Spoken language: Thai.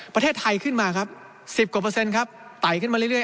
ประเทศไทยขึ้นมาครับ๑๐กว่าเปอร์เซ็นต์ครับไต่ขึ้นมาเรื่อย